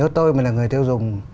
nếu tôi mà là người tiêu dùng